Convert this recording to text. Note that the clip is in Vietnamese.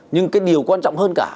nhưng cái điều quan trọng hơn cả